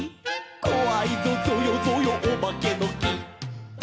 「こわいぞぞよぞよおばけのき」